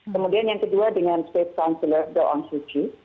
kemudian yang kedua dengan state council doang suci